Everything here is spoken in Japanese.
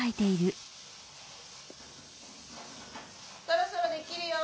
そろそろできるよ。